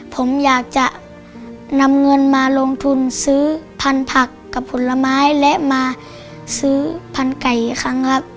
พันธุ์ผักกับผุ่นละไม้และมาซื้อพันธุ์ไก่อีกครั้งครับ